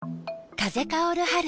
風薫る春。